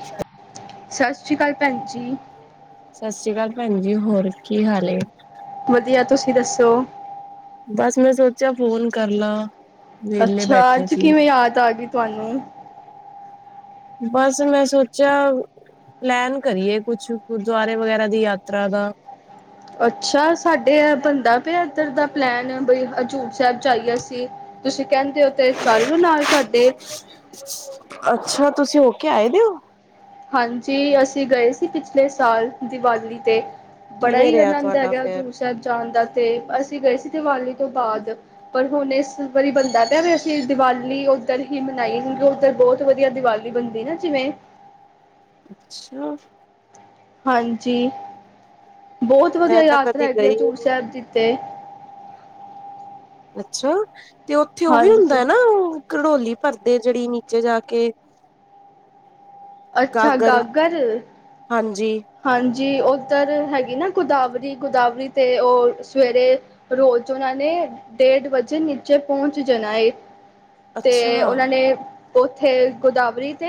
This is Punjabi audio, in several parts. ਅੱਛਾ। ਸਤਿ ਸ਼੍ਰੀ ਅਕਾਲ, ਭੈਣ ਜੀ। ਸਤਿ ਸ਼੍ਰੀ ਅਕਾਲ ਭੈਣ ਜੀ, ਹੋਰ ਕੀ ਹਾਲ? ਵਧੀਆ ਤੁਸੀਂ ਦੱਸੋ? ਬਸ ਮੈਂ ਸੋਚਿਆ ਫੋਨ ਕਰ ਲਾਂ। ਵਿਹਲੇ ਅੱਛਾ ਬੈਠੇ ਅੱਜ ਸੀ ਕਿਵੇਂ ਯਾਦ ਆ ਗਈ ਤੁਹਾਨੂੰ? ਬਸ ਮੈਂ ਸੋਚਿਆ। ਪਲੈਨ ਕਰੀਏ ਕੁਛ ਗੁਰਦੁਆਰੇ ਵਗੈਰਾ ਦੀ ਯਾਤਰਾ ਦਾ। ਅੱਛਾ ਸਾਡੇ ਇਹ ਬਣਦਾ ਪਿਆ ਇੱਧਰ ਦਾ ਪਲੈਨ ਬਈ ਹਜ਼ੂਰ ਸਾਹਿਬ ਜਈਏ ਅਸੀਂ। ਤੁਸੀਂ ਕਹਿੰਦੇ ਹੋ ਤੇ ਚਲ ਲਓ ਨਾਲ ਸਾਡੇ। ਅੱਛਾ ਤੁਸੀਂ ਹੋ ਕੇ ਆਏ ਦੇ ਹੋ? ਹਾਂਜੀ, ਅਸੀਂ ਗਏ ਸੀ ਪਿਛਲੇ ਸਾਲ ਦੀਵਾਲੀ ਤੇ। ਬੜਾ ਕਿਵੇਂ ਹੀ ਰਿਹਾ ਆਨੰਦ ਤੁਹਾਡਾ ਹੈਗਾ ਫੇਰ ਹਜ਼ੂੂਰ ਸਾਹਿਬ ਜਾਣ ਦਾ ਤੇ ਅਸੀਂ ਗਏ ਸੀ ਦੀਵਾਲੀ ਤੋਂ ਬਾਅਦ। ਪਰ ਹੁਣ ਇਸ ਵਾਰੀ ਬੰਦਾ ਤਾਂ ਵੀ ਅਸੀਂ ਦੀਵਾਲੀ ਉੱਧਰ ਹੀ ਮਨਾਈਏ ਕਿਉਂਕਿ ਉੱਧਰ ਬਹੁਤ ਵਧੀਆ ਦੀਵਾਲੀ। ਬੰਦੇ ਨਾ ਜਿਵੇਂ। ਅੱਛਾ। ਹਾਂਜੀ, ਬਹੁਤ ਮੈਂ ਵਧੀਆ ਤਾਂ ਯਾਤਰਾ ਕਦੇ ਹੈਗੀ ਗਈ ਏ ਹੀ ਹਜ਼ੂਰ ਨੀ ਸਾਹਿਬ ਦੀ ਤੇ। ਅੱਛਾ, ਤੇ ਓਥੇ ਓਵੀ ਹਾਂਜੀ ਹੁੰਦੈ ਨਾ, ਘਡੋਲੀ ਭਰਦੇ ਜੇੜੀ ਨੀਚੇ ਜਾ ਕੇ। ਅੱਛਾ, ਗਾਗਰ। ਹਾਂਜੀ। ਹਾਂਜੀ, ਉੱਧਰ ਹੈਗੀ ਨਾ ਗੋਦਾਵਰੀ, ਗੋਦਾਵਰੀ ਤੇ ਉਹ ਸਵੇਰੇ ਰੋਜ ਉਹਨਾਂ ਨੇ, ਡੇਢ ਵਜੇ ਨੀਚੇ ਪਹੁੰਚ ਜਾਣਾ ਏ। ਤੇ, ਅੱਛਾ ਓਹਨਾਂ ਨੇ। ਓੱਥੇ ਗੋਦਾਵਰੀ ਤੇ,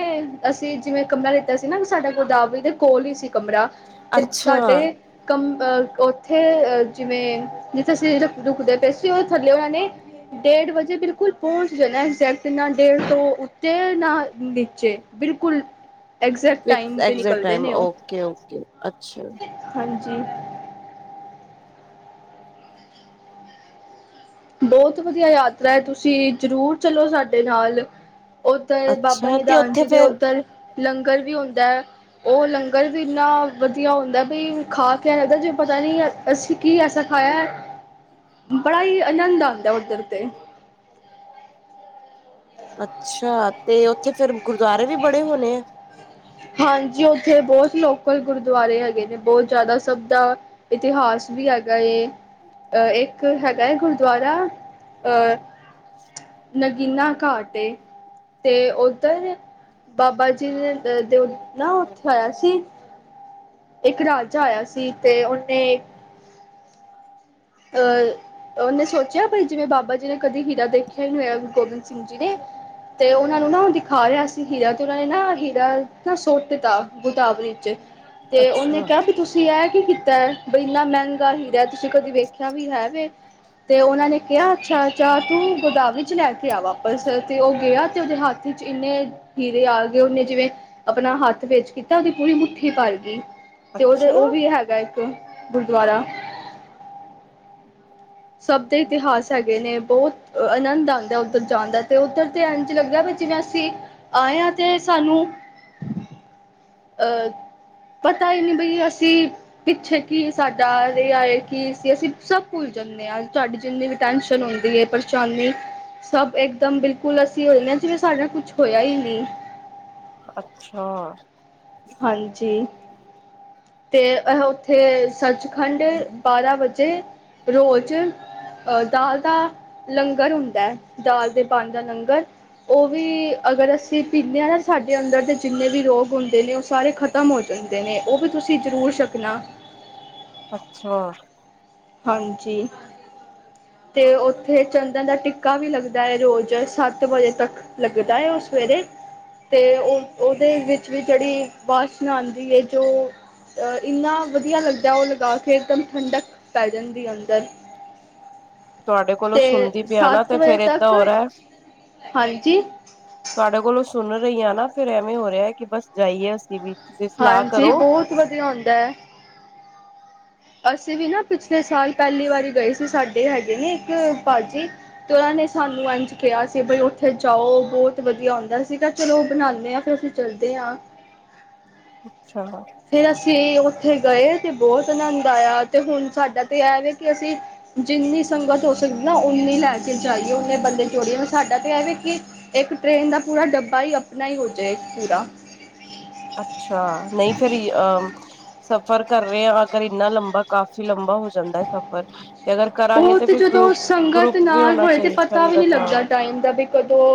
ਅਸੀ ਜਿਵੇਂ ਕਮਰਾ ਲਿਤਾ ਸੀ ਨਾ ਸਾਡਾ ਗੋਦਾਵਰੀ ਦੇ ਕੋਲ ਈ ਸੀ। ਕਮਰਾ, ਤੇ ਅੱਛਾ ਸਾਡੇ ਕਮ ਅ ਓੱਥੇ ਅ ਜਿਵੇਂ ਜਿਥੇ ਅਸੀ ਰੁਕਦੇ ਪਏ ਸੀ ਉਹਦੇ ਥੱਲੇ ਉਹਨਾਂ ਨੇ। ਡੇਢ ਵਜੇ ਬਿਲਕੁਲ ਪਹੁੰਚ ਜਾਣਾ ਐਗਜੈਕਟ ਨਾ ਡੇਢ ਤੋਂ ਉੱਤੇ ਨਾ ਨੀਚੇ ਬਿਲਕੁਲ। ਐਗਜੈਕਟ ਫਿਕਸ ਟਾਈਮ ਤੇ ਐਕਜੈਕਟ ਨਿਕਲਦੇ ਟਾਈਮ ਨੇ ਉਹ ਓਕੇ, ਓਕੇ। ਅੱਛਾ ਹਾਂਜੀ। ਬਹੁਤ ਵਦੀਆ ਯਾਤਰਾ ਏ ਤੂਸੀ ਜਰੂਰ ਚਲੋ ਸਾਡੇ ਨਾਲ। ਉਧਰ ਬਾਬਾ ਅੱਛਾ ਤੇ ਨਿਧਾਨ ਉੱਥੇ ਜੀ ਦੇ ਫੇਰ ਓਦਰ ਲੰਗਰ ਵੀ ਹੁੰਦੈ। ਉਹ ਲੰਗਰ ਵੀ ਇੰਨਾ ਵਧੀਆ ਹੁੰਦਾ ਵੀ ਖਾ ਕੇ ਇਹੋ ਜਿਹੇ ਆ ਇਹੋ ਜਿਹਾ ਪਤਾ ਨਹੀਂ ਹੈ। ਅਸੀਂ ਕੀ ਐਸਾ ਖਾਇਆ ਬੜਾ ਹੀ ਆਨੰਦ ਆਉਂਦਾ ਉੱਧਰ 'ਤੇ। ਅੱਛਾ ਤੇ ਉੱਥੇ ਫੇਰ ਗੁਰਦੁਆਰੇ ਵੀ ਬੜੇ ਹੋਣੇ ਆ। ਹਾਂਜੀ, ਓੱਥੇ ਬਹੁਤ ਲੋਕਲ ਗੁਰਦੁਆਰੇ ਹੈਗੇ ਨੇ ਬਹੁਤ ਜਾਦਾ ਸਬ ਦਾ। ਇਤਿਹਾਸ ਵੀ ਹੈਗਾ ਏ। ਅ ਇਕ ਹੈਗਾ ਏ ਗੁਰਦੁਆਰਾ ਅ। ਨਗੀਨਾ ਘਾਟ ਏ, ਤੇ ਉੱਧਰ ਬਾਬਾ ਜੀ ਨੇ ਤੇ ਦੇ ਨਾ ਓਥੇ ਆਇਆ ਸੀ। ਇਕ ਰਾਜਾ ਆਇਆ ਸੀ ਤੇ ਓਹਨੇ ਅ ਓਹਨੇ ਸੋਚੇਆ ਬਈ ਜਿਵੇਂ ਬਾਬਾ ਜੀ ਨੇ ਕਦੀ ਹੀਰਾ ਦੇਖਿ। ਆ ਈ ਨੀ ਹੋਏਆ ਗੁਰੂ ਗੋਬਿੰਦ ਸਿੰਘ ਜੀ ਨੇ। ਤੇ ਓਨਾਂ ਨੂੰ ਨਾ ਦਿਖਾ ਰਿਹਾ ਸੀ ਹੀਰਾ ਤੇ ਓਨਾਂ ਨੇ ਨਾ ਹੀਰਾ ਨਾ ਸੁੱਟ ਦਿਤਾ ਗੋਦਾਵਰੀ ਵਿਚ। ਤੇ ਓੱਨੇ ਅੱਛਾ, ਕੇਆ ਵੀ ਤੂਸੀ ਏ ਕੀ ਕੀਤੈ, ਬਈ ਇਨਾ ਮ੍ਹੈਂਗਾ ਹੀਰਾ ਤੂਸੀ ਕਦੇ ਵੇਖੇਆ [unintelligible] ਕੀਤਾ ਵੀ ਹੈ ਵੀ ਤੇ ਓਨਾਂ ਨੇ ਕੇਆ, ਅੱਛਾ ਜਾ ਤੂ ਗੋਦਾਵਰੀ ਚ ਲੈ ਕੇਆ ਵਾਪਸ ਤੇ ਓ ਗੇਆ ਤੇ ਓਦੇ ਹਾਥੀ ਇਨੇ ਹੀਰੇ ਆਗੇ ਓਨੇ ਜਿਵੇਂ ਅਪਨਾ ਹੱਥ ਵੇਚ ਕੀਤਾ ਓਦੀ ਪੂਰੀ ਮੁੱਠੀ ਭਰ ਗੀ। ਤੇ ਓਦੇ ਅੱਛਾ, ਓ ਵੀ ਹੈਗਾ ਇਕ, ਗੁਰਦੁਆਰਾ ਸਬ ਦੇ ਇਤਿਹਾਸ ਹੈਗੇ ਨੇ ਬੋਤ ਅਨੰਦ ਆਂਦੈ ਓਦਰ ਜਾਨ ਦਾ ਤੇ ਓਦਰ ਤੇ ਏਂਜ ਲੱਗਦਾ ਵੀ ਜਿਵੇਂ ਅਸੀ ਆਏ ਆਂ ਤੇ ਸਾਨੂੰ, ਅ ਪਤਾ ਈ ਨਈ ਬਈ ਅਸੀ ਪਿੱਛੇ ਕੀ ਸਾਡਾ ਰੇਆਏ ਕਿ ਸੀ ਅਸੀ ਸਬ ਭੁਲ ਜੱਨੇ ਆ ਤੂਆਡੀ ਜਿੰਨੀ ਵੀ ਟੈਨਸ਼ਨ ਹੋਂਦੀ ਏ ਪਰੇਸ਼ਾਨੀ ਸਬ ਇਕਦਮ ਬਿਲਕੁਲ ਅਸੀ ਹੋ ਜਨੇ ਜਿਵੇਂ ਸਾਡੇ ਨਾਲ ਕੁਛ ਹੋਇਆ ਹੀ ਨਈ। ਅੱਛਾ। ਹਾਂਜੀ। ਤੇ ਅਹ ਓਥੇ, ਸੱਚਖੰਡ ਬਾਰਾਂ ਵਜੇ ਰੋਜ ਅਹ ਦਾਲ ਦਾ, ਲੰਗਰ ਹੁੰਦੈ ਦਾਲ ਦੇ ਬਨ ਦਾ ਲੰਗਰ ਓ ਵੀ, ਅਗਰ ਅਸੀ ਪੀਂਦੇ ਆ ਨਾ ਸਾਡੇ ਅੰਦਰ ਤਾਂ ਜਿੰਨੇ ਵੀ ਰੋਗ ਹੁੰਦੇ ਨੇ ਸਾਰੇ ਖਤਮ ਹੋ ਜਾਂਦੇ ਨੇ, ਓ ਵੀ ਤੂਸੀ ਜਰੂਰ ਛੱਕਣਾ। ਅੱਛਾ। ਹਾਂਜੀ। ਤੇ ਓਥੇ ਚੰਦਨ ਦਾ ਟਿੱਕਾ ਵੀ ਲੱਗਦੈ ਰੋਜ ਸਤ ਵਜੇ ਤਕ। ਲੱਗਦਾ ਉਹ ਸਵੇਰੇ ਤੇ ਉਹਦੇ ਵਿੱਚ ਵੀ ਜਿਹੜੀ ਵਾਸ਼ਨਾ ਆਉਂਦੀ ਹੈ ਜੋ ਆ ਹੀ ਨਹੀਂ ਆ ਰਹੀ ਇੰਨਾ ਵਧੀਆ ਲੱਗਦਾ ਉਹ ਲਗਾ ਕੇ ਠੰਡਕ ਪੈਲਨ ਦੀ ਅੰਦਰ' ਤੁਹਾਡੇ ਕੋਲੋਂ ਤੇ ਸੁਣਦੀ ਪਿਆ ਨਾ ਸੱਤ ਤੇ ਵਜੇ ਫੇਰ ਏਦਾਂ ਤੱਕ ਹੋ ਰਿਹਾ ਹਾਂਜੀ! ਤੁਹਾਡੇ ਕੋਲੋਂ ਸੁਣ ਰਹੀ ਹਾਂ ਨਾ- ਫੇਿਰ ਐਵੇਂ ਹੋ ਰਿਹਾ ਕਿ ਬਸ ਜਾਈਏ ਅਸੀਂ ਵੀ! ਤੁਸੀਂ ਸਲਾਹ ਹਾਂਜੀ ਕਰੋ। ਬਹੁਤ ਵਧੀਆ ਹੁੰਦਾ ਹੈ! ਅਸੀਂ ਵੀ ਨਾ ਪਿਛਲੇ ਸਾਲ ਪਹਿਲੀ ਵਾਰੀ ਗਏ ਸੀ ਸਾਡੇ ਹੈਗੇ ਨੇ ਇੱਕ ਭਾਜੀ? ਅਤੇ ਉਹਨਾਂ ਨੇ ਸਾਨੂੰ ਇੰਝ ਕਿਹਾ ਸੀ ਬਈ ਉੱਥੇ ਜਾਓ ਬਹੁਤ ਵਧੀਆ ਹੁੰਦਾ ਸੀਗਾ ਚਲੋ ਉਹ ਬਣਾਉਂਦੇ ਹਾਂ ਫਿਰ ਅਸੀਂ? ਚਲਦੇ ਆਾਂ! ਅੱਛਾ! ਫਿਰ ਅਸੀਂ ਉੱਥੇ ਗਏ ਤੇ ਬਹੁਤ ਆਨੰਦ ਆਇਆ ਤੇ ਹੁਣ ਸਾਡਾ ਤੇ ਇਹ ਵ ਕਿ ਅਸੀਂ ਜਿੰਨੀ ਸੰਗਤ ਹੋ ਸਕਦੀ ਨਾ ਉਨੀ ਲੈ ਕੇ ਜਾਈਏ ਉਨੇ ਬੰਦੇ ਜੋੜੀਏ ਮ ਸਾਡਾ ਤੇ ਇਹ ਵੇਖ? ਇੱਕ ਟ੍ਰੇਨ ਦਾ ਪੂਰਾ ਡੱਬਾ ਹੀ ਆਪਣਾ ਹੀ ਹੋ ਜਾਏ ਪੂਰਾ? ਅੱਛਾ ਨਹੀਂ ਫੇਿਰ ਅਹ? ਸਫ਼ਰ ਕਰ ਰਹੇ ਆ ਆ ਕਰ ਇੰਨਾ ਲੰਬਾ ਕਾਫ਼ੀ ਲੰਬਾ? ਜਾਂਦੈ ਸਫ਼ਰ, ਤੇ ਅਗਰ ਕਰਾਂਗੇ ਉਹ ਤੇ ਫਿਰ ਜਦੋਂ ਗ੍ਰੁਪ, ਸੰਗਤ ਗ੍ਰੁਪ ਵੀ ਨਾਲ ਹੋਣਾ ਹੋਏ ਤੇ ਚਾਈਦਾ ਪਤਾ ਵੀ ਨਹੀਂ ਸੰਗਤ ਆ। ਲੱਗਦਾ ਟਾਈਮ ਦਾ ਵੀ ਕਦੋਂ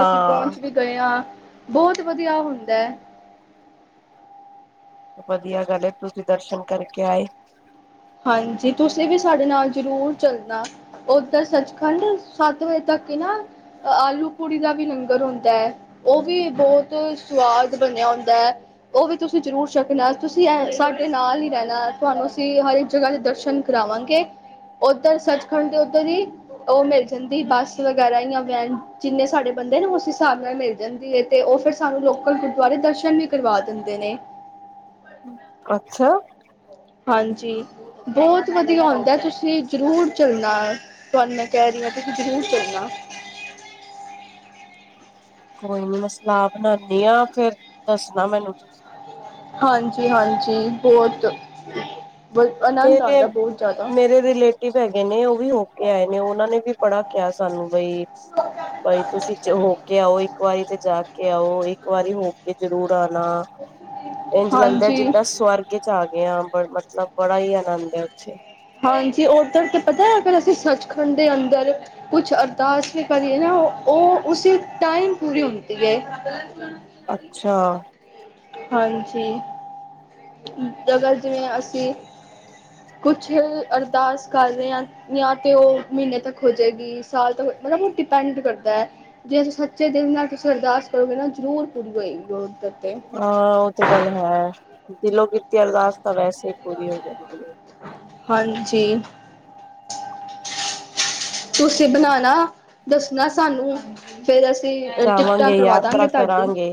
ਅਸੀ ਪਹੁੰਚ ਵੀ ਗਏ ਆਂ, ਬੋਤ ਵਦੀਆ ਹੁੰਦੈ ਵਦੀਆ ਗਲ ਏ ਤੂਸੀ ਦਰਸ਼ਨ ਕਰਕੇ ਆਏ। ਹਾਂਜੀ ਤੁਸੀਂ ਵੀ ਸਾਡੇ ਨਾਲ ਜ਼ਰੂਰ ਚੱਲਣਾ ਓਦਰ ਸੱਚਖੰਡ ਸੱਤ ਵਜੇ ਤੱਕ ਏ ਨਾ ਆਲੂ ਪੂੜੀ ਦਾ ਵੀ ਲੰਗਰ ਹੁੰਦਾ ਹੈ! ਉਹ ਵੀ ਬਹੁਤ ਸਵਾਦ ਬਣਿਆ ਹੁੰਦਾ ਹੈ! ਉਹ ਵੀ ਤੁਸੀਂ ਜ਼ਰੂਰ ਛਕਣਾ ਤੁਸੀਂ ਸਾਡੇ ਨਾਲ ਹੀ ਰਹਿਣਾ ਤੁਹਾਨੂੰ ਅਸੀਂ ਹਰ ਜਗ੍ਹਾ ਦੇ ਦਰਸ਼ਨ ਕਰਾਵਾਂਗੇ ਉੱਧਰ ਸੱਚਖੰਡ ਦੇ ਉੱਧਰ ਹੀ! ਉਹ ਮਿਲ ਜਾਂਦੀ ਬੱਸ ਵਗੈਰਾ ਜਾਂ ਵੈਨ? ਜਿੰਨੇ ਸਾਡੇ ਬੰਦੇ ਨੇ ਉਸ ਹਿਸਾਬ ਨਾਲ ਮਿਲ ਜਾਂਦੀ ਹੈ! ਤੇ ਉਹ ਫਿਰ ਸਾਨੂੰ ਲੋਕਲ ਗੁਰਦੁਆਰੇ ਦਰਸ਼ਨ ਵੀ ਕਰਵਾ ਦਿੰਦੇ ਨੇ' ਅੱਛਾ? ਹਾਂਜੀ? ਬਹੁਤ ਵਧੀਆ ਹੁੰਦਾ ਤੁਸੀਂ ਜ਼ਰੂਰ ਚੱਲਣਾ! ਤੁਹਾਨੂੰ, ਮੈਂ ਕਹਿ ਰਹੀ ਆ, ਤੁਸੀਂ ਜਰੂਰ ਸੁਣਨਾ। ਕੋਈ ਨਹੀਂ ਮੈਂ ਸਲਾਹ ਬਣਾਉੰਦੀ ਆ, ਫਿਰ ਦੱਸਣਾ ਮੈਨੂੰ। ਹਾਂਜੀ- ਹਾਂਜੀ, ਬਹੁਤ ਬ ਆਨੰਦ ਮੇਰੇ, ਆਉਂਦਾ ਬਹੁਤ ਜ਼ਿਆਦਾ ਮੇਰੇ ਰਿਲੇਟਿਵ ਹੈਗੇ ਨੇ, ਉਹ ਵੀ ਹੋ ਕੇ ਆਏ ਨੇ, ਉਹਨਾਂ ਨੇ ਵੀ ਬੜਾ ਕਿਹਾ ਸਾਨੂੰ ਬਈ ਬਈ ਤੁਸੀਂ ਹੋ ਕੇ ਆਓ, ਇੱਕ ਵਾਰੀ ਤੇ ਜਾ ਕੇ ਕੇ ਆਉ, ਇੱਕ ਵਾਰੀ ਹੋ ਕੇ ਜਰੂਰ ਆਉਣਾ, ਇੰਝ ਲੱਗਦਾ ਹਾਂਜੀ ਜਿੱਦਾਂ ਸਵਰਗ ਚ ਆ ਗਏ ਹਾਂ, ਬ ਮਤਲਬ ਬੜਾ ਹੀ ਆਨੰਦ ਆ ਉੱਥੇ! ਹਾਂਜੀ, ਉੱਧਰ ਤੇ ਪਤਾ ਅਗਰ ਅਸੀਂ ਸੱਚਖੰਡ ਦੇ ਅੰਦਰ ਕੁਛ ਅਰਦਾਸ ਵੀ ਕਰੀਏ ਨਾ, ਉਹ ਉਸੇ ਟਾਈਮ ਪੂਰੀ ਹੁੰਦੀ ਹੈ। ਅੱਛਾ [unintelligible] ਹਾਂਜੀ, ਅਗਰ ਜਿਵੇਂ ਅਸੀਂ ਕੁਛ ਅਰਦਾਸ ਕਰ ਰਹੇ ਹਾਂ। ਜਾਂ ਤੇ, ਉਹ ਮਹੀਨੇ ਤੱਕ ਹੋ ਜਾਏਗੀ, ਸਾਲ ਤੱਕ ਮਤਲਬ, ਉਹ ਡਿਪੈਂਡ ਕਰਦਾ ਹੈ। ਜੇ ਸੱਚੇ ਦਿਲ ਨਾਲ ਤੁਸੀਂ ਅਰਦਾਸ ਕਰੋਗੇ ਨਾ, ਜ਼ਰੂਰ ਪੂਰੀ ਹੋਏਗੀ ਉਹਦੇ ਦਰ ਉਤੇ। ਹਾਂ, ਉਹ ਤੇ ਗੱਲ ਹੈ ਦਿਲੋਂ ਕੀਤੀ ਅਰਦਾਸ ਤਾਂ, ਵੈਸੇ ਹੀ ਪੂਰੀ ਹੋ ਜਾਂਦੀ ਹੈ। ਹਾਂਜੀ! ਤੁਸੀਂ ਬਣਾਣਾ, ਦੱਸਣਾ ਸਾਨੂੰ। ਫੇਰ, ਅਸੀਂ ਟਿਕਟਾਂ ਜਾਵਾਂਗੇ ਕਰਵਾ ਦਾਂਗੇ ਯਾਤਰਾ ਤੁਹਾਡੀ। ਕਰਾਂਗੇ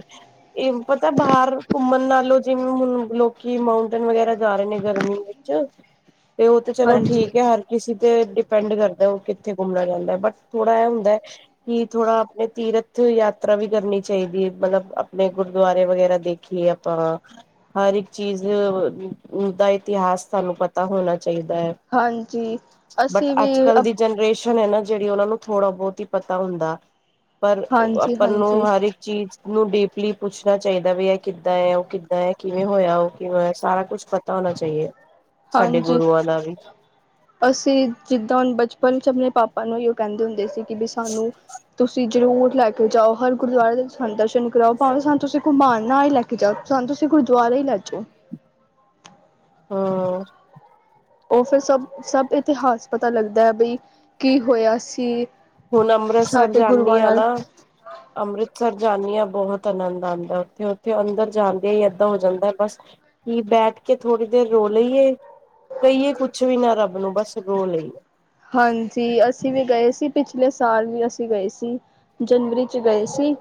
ਇਹ ਪਤਾ, ਬਾਹਰ ਘੁੰਮਣ ਨਾਲੋਂ ਜਿਵੇਂ ਹੁਣ ਲੋਕੀ ਮਾਊਂਟੇਨ ਵਗੈਰਾ ਜਾ ਰਹੇ ਨੇ, ਗਰਮੀ ਵਿੱਚ ਤੇ, ਉਹ ਤੇ ਚਲੋ ਹਾਂਜੀ ਠੀਕ ਹੈ। ਕਿਸੀ ਤੇ, ਡਿਪੈਂਡ ਕਰਦਾ, ਉਹ ਕਿੱਥੇ ਘੁੰਮਣਾ ਚਾਹੁੰਦਾ ਬਟ ਥੋੜਾ ਐ ਹੁੰਦਾ ਕੀ ਥੋੜ੍ਹਾ, ਆਪਣੇ ਤੀਰਥ ਤੀਰਥ ਯਾਤਰਾ ਵੀ ਕਰਨੀ ਚਾਹੀਦੀ ਹੈ, ਮਤਲਬ ਆਪਣੇ ਗੁਰਦੁਆਰੇ ਵਗੈਰਾ ਦੇਖੀਏ ਆਪਾਂ। ਹਰ ਇੱਕ ਚੀਜ਼ ਦਾ, ਇਤਿਹਾਸ ਤੁਹਾਨੂੰ ਪਤਾ ਹੋਣਾ ਚਾਹੀਦਾ ਹੈ। ਹਾਂਜੀ, ਬਟ ਅਸੀਂ ਵੀ ਅੱਜ ਕੱਲ ਦੀ ਜਨਰੇਸ਼ਨ ਹੈ ਨਾ ਜਿਹੜੀ, ਉਹਨਾਂ ਨੂੰ ਥੋੜ੍ਹਾ ਬਹੁਤ ਹੀ ਪਤਾ ਹੁੰਦਾ। ਪਰ ਹਾਂਜੀ ਆਪਾਂ ਨੂੰ, ਹਾਂਜੀ ਹਰ ਇੱਕ ਚੀਜ਼ ਨੂੰ, ਡੀਪਲੀ ਪੁੱਛਣਾ ਚਾਹੀਦਾ, ਵੀ ਇਹ ਕਿੱਦਾਂ ਹੈ, ਉਹ ਕਿੱਦਾਂ ਹੈ, ਕਿਵੇਂ ਹੋਇਆ? ਉਹ ਕਿਵੇਂ, ਸਾਰਾ ਕੁਛ ਪਤਾ ਤਾ, ਹੋਣਾ ਚਾਹੀਦੇ, ਸਾਡੇ ਹਾਂਜੀ ਗੁਰੂਆਂ ਦਾ ਵੀ। ਅਸੀਂ, ਜਿੱਦਾਂ ਹੁਣ ਬਚਪਨ ਚ ਆਪਣੇ ਪਾਪਾ ਨੂੰ ਇਹੀਓ ਕਹਿੰਦੇ ਹੁੰਦੇ ਸੀ, ਕਿ ਵੀ ਸਾਨੂੰ ਤੁਸੀਂ ਜ਼ਰੂਰ ਲੈ ਕੇ ਜਾਉ, ਹਰ ਗੁਰਦੁਆਰੇ ਦੇ ਸਾਨੂੰ, ਦਰਸ਼ਨ ਕਰਾਉ, ਭਾਵੇਂ ਸਾਨੂੰ ਤੁਸੀਂ ਘੁੰਮਾਣ ਨਾ ਹੀ ਲੈ ਕੇ ਜਾਓ, ਸਾਨੂੰ ਤੁਸੀਂ ਗੁਰਦੁਆਰਾ ਹੀ ਲੈ ਜੋ। ਹੋਰ? ਉਹ ਫਿਰ, ਸਭ- ਸਭ ਇਤਿਹਾਸ ਪਤਾ ਲੱਗਦਾ ਹੈ, ਬਈ ਕੀ ਹੋਇਆ ਸੀ? ਹੁਣ, ਅੰਮ੍ਰਿਤਸਰ ਸਾਡੇ ਜਾਂਨੀ ਗੁਰੂਆਂ ਆ ਨਾਲ ਨਾ ਅੰਮ੍ਰਿਤਸਰ ਜਾਂਨੀ ਆ, ਬਹੁਤ ਆਨੰਦ ਆਉਂਦਾ ਉੱਥੇ, ਉੱਥੇ ਅੰਦਰ ਜਾਂਦਿਆਂ ਹੀ, ਏਦਾਂ ਹੋ ਜਾਂਦਾ ਬਸ ਕਿ ਬੈਠ ਕੇ ਥੋੜ੍ਹੀ ਦੇਰ ਰੋ ਲਈਏ, ਕਹੀਏ ਕੁਛ ਵੀ ਨਾ ਰੱਬ ਨੂੰ, ਬਸ ਰੋ ਲਈਏ। ਹਾਂਜੀ, ਅਸੀਂ ਵੀ ਗਏ ਸੀ, ਪਿਛਲੇ ਸਾਲ ਵੀ ਅਸੀਂ ਗਏ ਸੀ। ਜਨਵਰੀ, ਚ ਗਏ ਸੀ।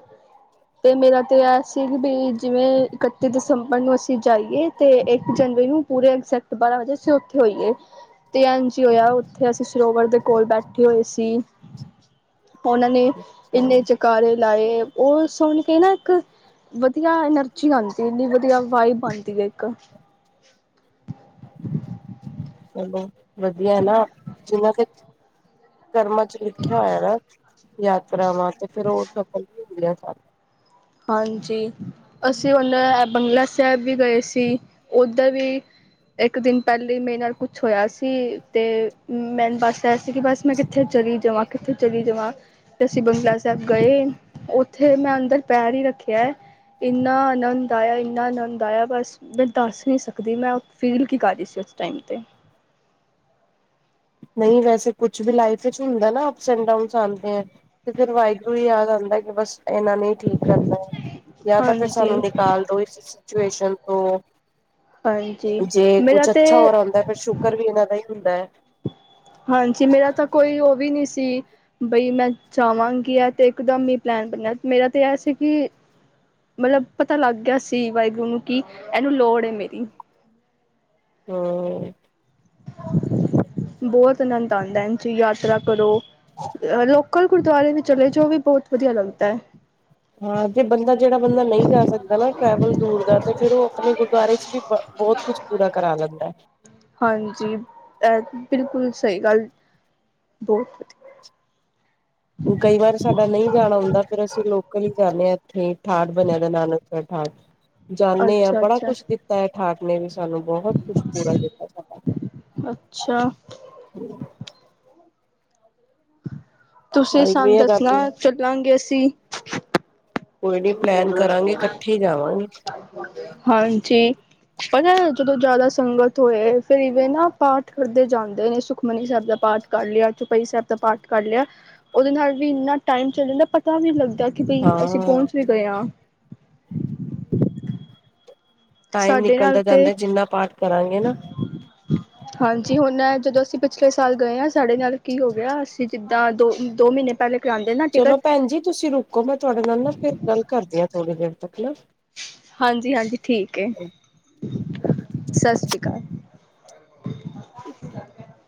ਤੇ ਮੇਰਾ ਤੇ ਐ ਸੀ, ਵੀ ਬੀ ਜਿਵੇਂ ਇਕੱਤੀ ਦਿਸੰਬਰ ਨੂੰ ਅਸੀਂ ਜਾਈਏ, ਤੇ ਇੱਕ ਜਨਵਰੀ ਨੂੰ ਪੂਰੇੈ ਇਗਜੈਕਟ ਬਾਰਾਂ ਵਜੇ, ਅਸੀਂ ਉੱਥੇ ਹੋਈਏ, ਤੇ ਐੰਜ ਹੀ ਹੋਇਆ ਉੱਥੇ ਅਸੀ ਸਰੋਵਰ ਦੇ ਕੋਲ ਬੈਠੇ ਹੋਏ ਸੀ, ਉਹਨਾਂ ਨੇ ਇੰਨੇ ਹੂੰ, ਜੈ ਕਾਰੇ ਲਾਏ, ਉਹ ਸੁਣ ਕੇ ਨਾ ਇੱਕ ਵਧੀਆ ਐਨਰਜੀ ਆਉਂਦੀ ਸੀ, ਇੰਨੀ ਵਧੀਆ ਵਾਈਬ ਆਉਂਦੀ ਹੈ, ਇੱਕ ਚਲੋ, ਵਧੀਆ ਨਾ, ਜਿਹਨਾਂ ਤੇ ਕਰਮਾਂ ਚ ਲਿਖਿਆ ਹੋਇਆ ਨਾ ਯਾਤਰਾਵਾਂ, ਤੇ ਫਿਰ ਹੋ ਸਫਲ ਵੀ ਹੁੰਦੀਆਂ ਸਭ। ਹਾਂਜੀ, ਅਸੀਂ ਹੁਨ ਬੰਗਲਾ ਸਾਹਿਬ ਵੀ ਗਏ ਸੀ, ਉੱਧਰ ਵੀ ਇੱਕ ਦਿਨ, ਪਹਿਲੇ ਈ ਮੇਰੇ ਨਾਲ ਕੁਛ ਹੋਇਆ ਸੀ, ਤੇ ਮੈਨੂੰ ਬਸ, ਐੰ ਸੀ ਕਿ ਬਸ ਮੈਂ, ਕਿੱਥੇ ਚਲੀ ਜਾਵਾਂ, ਕਿੱਥੇ ਚਲੀ ਜਾਵਾਂ। ਤੇ ਅਸੀਂ ਬੰਗਲਾ ਸਾਹਿਬ ਗਏ ਉੱਥੇ ਮੈਂ ਅੰਦਰ ਪੈਰ ਹੀ ਰੱਖਿਆ। ਇੰਨਾ ਆਨੰਦ ਆਇਆ ਇੰਨਾ ਆਨੰਦ ਆਇਆ ਬਸ। ਮੈਂ ਦੱਸ ਨਹੀਂ ਸਕਦੀ ਮੈਂ ਫੀਲ ਕੀ ਕਰ ਰਹੀ ਸੀ ਉਸ ਟਾਈਮ 'ਤੇ ਨਹੀਂ ਵੈਸੇ ਕੁਛ ਵੀ ਲਾਈਫ ਵਿੱਚ ਹੁੰਦਾ ਨਾ ਆਪ ਐਂਡ ਡਾਊਨ ਆਉਂਦੇ ਐ। ਤੇ ਫਿਰ ਵਾਹਿਗੁਰੂ ਹੀ ਯਾਦ ਆਂਦਾ ਕਿ ਬਸ ਇਹਨਾ ਨੇ ਠੀਕ ਕਰਨਾ ਜਾਂ ਤਾਂ ਫਿਰ ਹਾਂਜੀ ਸਾਨੂੰ ਨਿਕਾਲ ਦੋ ਇਸ ਸਿਚੁਏਸ਼ਨ ਤੋਂ ਹਾਂਜੀ ਜੇ ਕੁੱਝ ਮੇਰਾ ਅੱਛਾ ਤਾਂ ਹੋਰ ਆਂਦਾ ਫਿਰ ਸ਼ੁਕਰ ਵੀ ਇਹਨਾਂ ਦਾ ਹੀ ਹੁੰਦਾ। ਹਾਂਜੀ ਮੇਰਾ ਤਾਂ ਕੋਈ ਉਹ ਵੀ ਨਹੀਂ ਸੀ। ਬਈ ਮੈਂ ਜਾਵਾਂਗੀ ਆ ਤੇ ਇੱਕਦਮ ਹੀ ਪਲੈਨ ਬਣਿਆ ਮੇਰਾ ਤੇ ਇਹ ਸੀ ਕਿ ਮਤਲਬ ਪਤਾ ਲੱਗ ਗਿਆ ਸੀ ਵਾਹਿਗੁਰੂ ਨੂੰ ਕਿ ਇਹਨੂੰ ਲੋੜ ਹੈ ਮੇਰੀ ਹੂੰ, ਬਹੁਤ ਆਨੰਦ ਆਂਦਾ ਜੀ ਯਾਤਰਾ ਕਰੋ ਅ ਲੋਕ ਕੋਲ ਗੁਰਦੁਆਰੇ ਵੀ ਚਲੇ ਜੋ ਵੀ ਬਹੁਤ ਵਧੀਆ ਲੱਗਦਾ। ਹਾਂ, ਜੇ ਬੰਦਾ ਜਿਹੜਾ ਬੰਦਾ ਨਹੀਂ ਕਰ ਸਕਦਾ ਨਾ। ਟ੍ਰੇਵਲ ਦੂਰ ਦਾ ਤੇ ਫਿਰ ਉਹ ਆਪਣੇ ਗੁਰਦੁਆਰੇ ਚ ਵੀ ਬ ਬਹੁਤ ਕੁਛ ਪੂਰਾ ਕਰਾ ਲੈਂਦਾ। ਹਾਂਜੀ, ਬਿਲਕੁਲ ਸਹੀ ਗੱਲ ਬਹੁਤ ਵਧੀਆ ਕਈ ਵਾਰ ਸਾਡਾ ਨਹੀਂ ਜਾਣਾ ਹੁੰਦਾ ਫਿਰ ਅਸੀਂ ਲੋਕਲ ਹੀ ਜਾਣੇ ਆ ਇੱਥੇ ਠਾਠ ਬਣਿਆ ਦਾ ਨਾਨਕਸ ਠਾਠ ਵਧੀਆ ਜਾਣੇ ਆ ਅੱਛਾ ਬੜਾ ਅੱਛਾ ਕੁਛ ਤੈ ਠਾਠ ਨੇ ਵੀ ਸਾਨੂੰ ਬਹੁਤ ਕੁਛ ਪੂਰਾ ਕੀਤਾ। ਅੱਛਾ ਹਾਂ, ਤੁਸੀਂ ਆਈ ਵੀ ਸਾਨੂੰ ਹੈ ਰਾਬੀ ਦੱਸਣਾ ਚੱਲਾਂਗੇ ਅਸੀਂ ਕੋਈ ਨੀ ਪਲੈਨ ਕਰਾਂਗੇ ਇਕੱਠੇ ਜਾਵਾਂਗੇ। ਹਾਂਜੀ, ਪਰ ਜਦੋਂ ਜ਼ਿਆਦਾ ਸੰਗਤ ਹੋਏ ਫਿਰ ਇਵੇਂ ਨਾ ਪਾਠ ਕਰਦੇ ਜਾਂਦੇ ਨੇ ਸੁਖਮਨੀ ਸਾਹਿਬ ਦਾ ਪਾਠ ਕਰ ਲਿਆ ਚੁਪਾਈ ਸਾਹਿਬ ਦਾ ਪਾਠ ਕਰ ਲਿਆ ਉਹਦੇ ਨਾਲ ਵੀ ਇੰਨਾ ਟਾਈਮ ਚੱਲ ਜਾਂਦਾ ਪਤਾ ਵੀ ਲੱਗਦਾ ਕਿ ਭਈ ਅਸੀਂ ਹਾਂ ਪਹੁੰਚ ਵੀ ਗਏ ਆ। ਟਾਈਮ ਸਾਡੇ ਨਾਲ ਨਿਕਲਦਾ ਤੇ ਜਾਂਦਾ ਜਿੰਨਾ ਪਾਠ ਕਰਾਂਗੇ ਨਾ [inaudible] [inaudible] ਹਾਂਜੀ, ਹੁਣ ਜਦੋਂ ਅਸੀਂ ਪਿਛਲੇ ਸਾਲ ਗਏ ਆ ਸਾਡੇ ਨਾਲ ਕੀ ਹੋ ਗਿਆ ਅਸੀਂ ਜਿੱਦਾਂ ਦੋ ਦੋ ਮਹੀਨੇ ਪਹਿਲੇ। ਕਰਾਉਂਦੇ ਨਾ ਚਲੋ ਟਿਕਟ ਭੈਣ ਜੀ ਤੁਸੀਂ ਰੁਕੋ ਮੈਂ ਤੁਹਾਡੇ ਨਾਲ ਨਾ ਫਿਰ ਗੱਲ ਕਰਦੀ ਹਾਂ ਥੋੜ੍ਹੀ ਦੇਰ ਤੱਕ ਨਾ ਹਾਂਜੀ ਹਾਂਜੀ, ਠੀਕ ਐ ਸਤਿ ਸ੍ਰੀ ਅਕਾਲ।